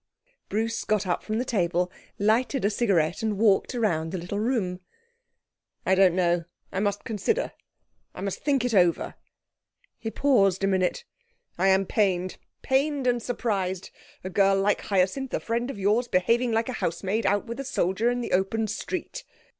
Bruce got up from the table, lighted a cigarette, and walked round the little room. 'I don't know. I must consider. I must think it over.' He paused a minute. 'I am pained. Pained and surprised. A girl like Hyacinth, a friend of yours, behaving like a housemaid out with a soldier in the open street!'